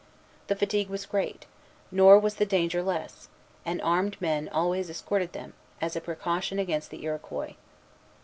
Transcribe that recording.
The fatigue was great; nor was the danger less; and armed men always escorted them, as a precaution against the Iroquois.